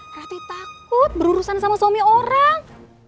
berarti takut berurusan sama suami orang